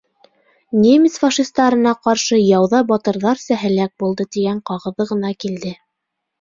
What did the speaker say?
«Немец фашистарына ҡаршы яуҙа батырҙарса һәләк булды» тигән ҡағыҙы ғына килде.